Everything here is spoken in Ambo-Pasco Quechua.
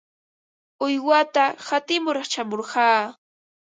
Uywata qatimur shamurqaa.